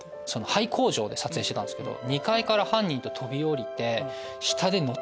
廃工場で撮影してたんすけど。